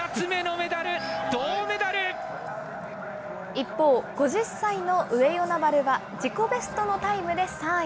一方、５０歳の上与那原は自己ベストのタイムで３位。